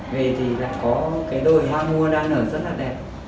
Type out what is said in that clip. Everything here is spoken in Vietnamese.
về thì lại có cái đồi hoa mua đang nở rất là đẹp